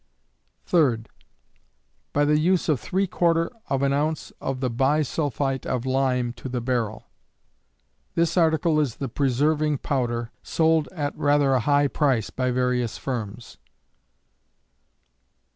3d. By the use of ¾ of an ounce of the bi sulphite of lime to the barrel. This article is the preserving powder sold at rather a high price by various firms.